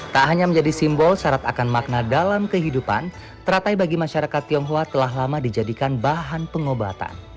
tak hanya menjadi simbol syarat akan makna dalam kehidupan teratai bagi masyarakat tionghoa telah lama dijadikan bahan pengobatan